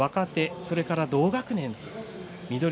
それから同学年